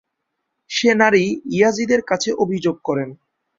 সে নারী ইয়াজিদের কাছে অভিযোগ করেন।